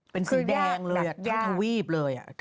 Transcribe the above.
เป็นสีแดงเลย